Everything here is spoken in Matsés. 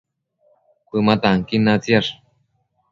Cuëma tanquin natsiash